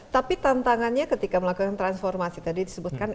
tapi tantangannya ketika melakukan transformasi tadi disebutkan